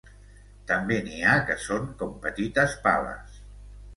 També n'hi ha que són com petites pales.